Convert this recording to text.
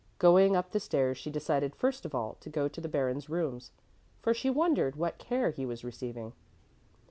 Going up the stairs, she decided first of all to go to the Baron's rooms, for she wondered what care he was receiving.